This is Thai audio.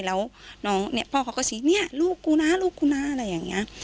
แล้วพ่อเขาก็สินี่ลูกกูนะลูกกูนะอะไรอย่างนี้